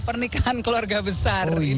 pernikahan keluarga besar gitu kan